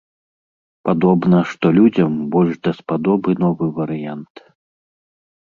Падобна, што людзям больш даспадобы новы варыянт.